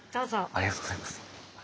ありがとうございます。